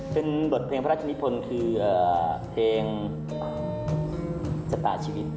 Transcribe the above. เป็นบทเพลงพระราชนิพลคือเพลงชะตาชีวิต